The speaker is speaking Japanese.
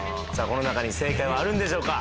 この中に正解はあるんでしょうか？